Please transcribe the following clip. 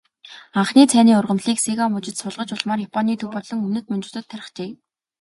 Анхны цайны ургамлыг Сига мужид суулгаж, улмаар Японы төв болон өмнөд мужуудад тархжээ.